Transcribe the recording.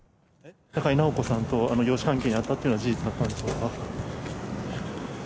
高井直子さんと養子関係にあったっていうのは事実だったんでしょうか？